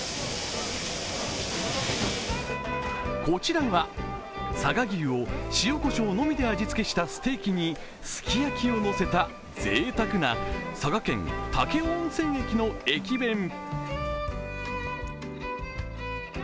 こちらは佐賀牛を塩こしょうのみで味付けしたステーキにすき焼きを乗せたぜいたくな佐賀県武雄温泉駅の駅弁。